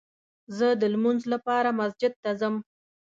زه دلمونځ لپاره مسجد ته ځم